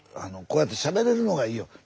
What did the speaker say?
こうやってしゃべれるのがいいよ。